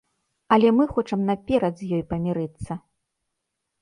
Але мы хочам наперад з ёй памірыцца!